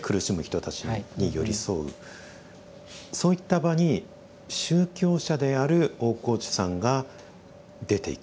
そういった場に宗教者である大河内さんが出ていく関わっていく。